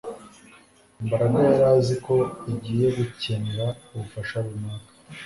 Mbaraga yari azi ko agiye gukenera ubufasha runaka